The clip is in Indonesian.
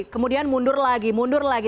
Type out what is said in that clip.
kemudian mundur lagi mundur lagi